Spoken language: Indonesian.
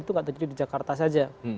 itu tidak terjadi di jakarta saja